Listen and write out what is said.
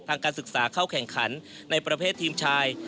การศึกษาเข้าแข่งขันในประเภททีมชาย